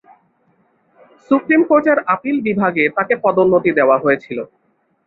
Supreme কোর্টের appeal বিভাগে তাকে পদোন্নতি দেওয়া হয়েছিল।